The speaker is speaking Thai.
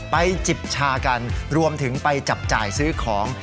จิบชากันรวมถึงไปจับจ่ายซื้อของ